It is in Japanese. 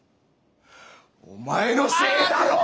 お前のせいだろ！